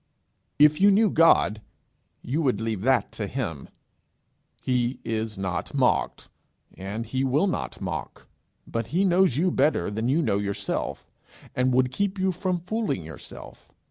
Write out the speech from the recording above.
If you knew God, you would leave that to him. He is not mocked, and he will not mock. But he knows you better than you know yourself, and would keep you from fooling yourself.